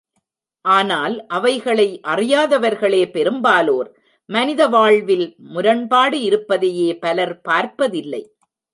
ஆனால் அவைகளை அறியாதவர்களே பெரும்பாலோர், மனித வாழ்வில் முரண்பாடு இருப்பதையே பலர் பார்ப்பதிலை.